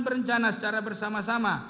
berencana secara bersama sama